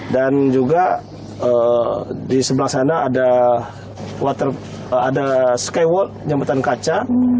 dan juga di sebelah sana ada skywall jemputan kaca